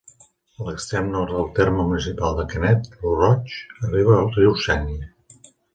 A l'extrem nord el terme municipal de Canet lo Roig arriba al riu Sénia.